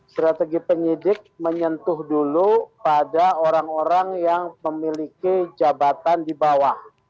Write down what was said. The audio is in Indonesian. strategi penyidik menyentuh dulu pada orang orang yang memiliki jabatan di bawah